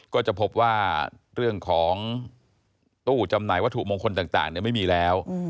ก็จะพบว่าเรื่องของตู้จำหน่ายวัตถุมงคลต่างไม่มีแล้ว